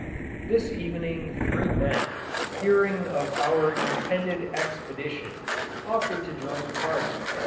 This evening three men, hearing of our intended expedition, offered to join the party.